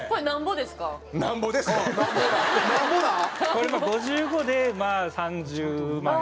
これ５５でまあ３０万円。